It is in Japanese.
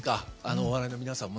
お笑いの皆さんも。